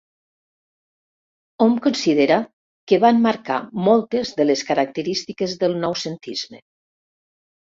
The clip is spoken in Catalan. Hom considera que van marcar moltes de les característiques del noucentisme.